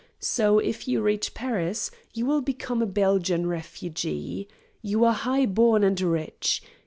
So, if you reach Paris, you will become a Belgian refugee. You are high born and rich.